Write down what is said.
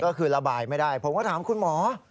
ก็คือระบายไม่ได้ผมก็ถามคุณหมอ